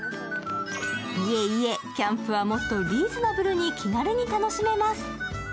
いえいえ、キャンプは、もっとリーズナブルに気軽に楽しめます。